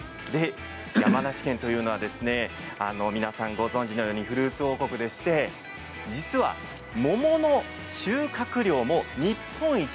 山梨県といえば、ご存じのようにフルーツ王国でして実は桃の収穫量も日本一